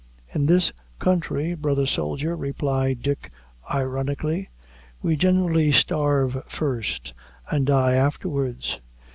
"In this country, brother soldier," replied Dick ironically, "we generally starve first and die afterwards."